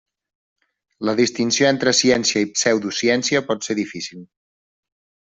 La distinció entre ciència i pseudociència pot ser difícil.